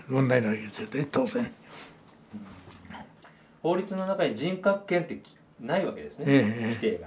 法律の中に人格権ってないわけですね規定が。